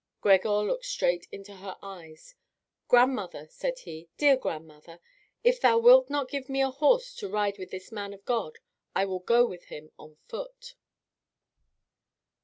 Gregor looked straight into her eyes. "Grandmother," said he, "dear grandmother, if thou wilt not give me a horse to ride with this man of God, I will go with him afoot."